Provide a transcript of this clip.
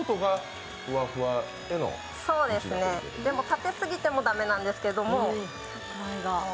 立てすぎても駄目なんですけども。